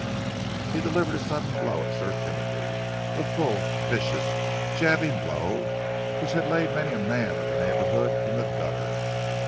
He delivered a sudden blow at Sir Timothy a full, vicious, jabbing blow which had laid many a man of the neighbourhood in the gutter.